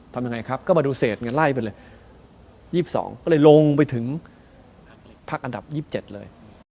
ทำยังไงครับก็มาดูเศษไงไล่ไปเลย๒๒ก็เลยลงไปถึงพักอันดับ๒๗เลย